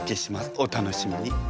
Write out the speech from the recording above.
お楽しみに。